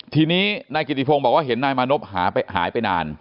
ทีนี้นายกิติพงศ์บอกว่าเห็นนายมานพหายไปนาน